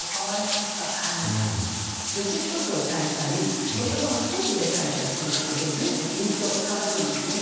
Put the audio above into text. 助詞１つを変えたり言葉を少し入れ替えたりするだけで随分印象変わるんですね。